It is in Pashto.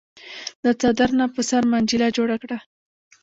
د څادر نه په سر منجيله جوړه کړه۔